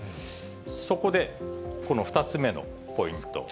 そこで、この２つ目のポイント。